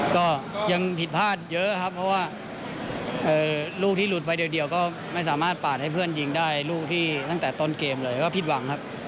ก็ยังผิดพลาดเยอะครับเพราะว่าลูกที่หลุดไปเดียวก็ไม่สามารถปาดให้เพื่อนยิงได้ลูกที่ตั้งแต่ต้นเกมเลยก็ผิดหวังครับ